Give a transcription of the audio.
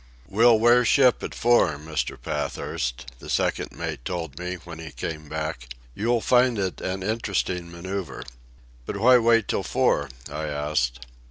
"We'll wear ship at four, Mr. Pathurst," the second mate told me when he came back. "You'll find it an interesting manoeuvre." "But why wait till four?" I asked.